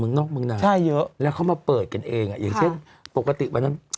เมืองนอกเมืองนานใช่เยอะแล้วเขามาเปิดกันเองอ่ะอย่างเช่นปกติวันนั้น